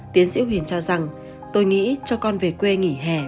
tiến sĩ huyền cho rằng tôi nghĩ cho con về quê nghỉ hè